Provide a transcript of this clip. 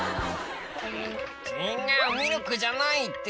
「違うミルクじゃないって」